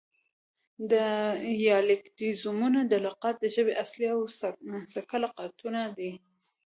دیالیکتیزمونه: دا لغات د ژبې اصلي او سکه لغتونه دي